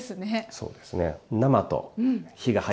そうですね。